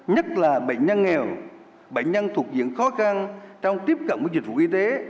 nhất là bệnh nhân nghèo bệnh nhân thuộc diện khó khăn trong tiếp cận với dịch vụ y tế